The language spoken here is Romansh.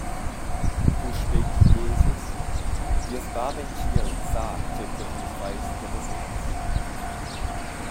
Puspei di Jesus: «Vies Bab en tschiel sa tgei che Vus veis da basegns.